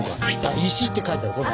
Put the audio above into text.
「石」って書いてあるから。